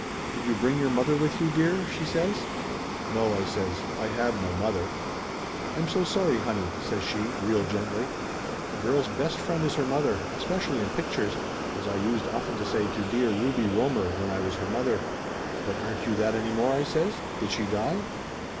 "Did you bring your mother with you, dear?" she says. "No," I says ; "I have no mother." "I'm so sorry, honey," says she, real gently. "A girl's best friend is her mother, especially in pictures, as I used often to say to dear Ruby Rohmer, when I was her mother." "But aren't you that any more?" I says. "Did she die?"